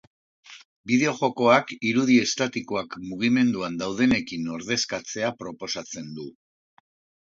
Bideojokoak irudi estatikoak mugimenduan daudenekin ordezkatzea proposatzen du.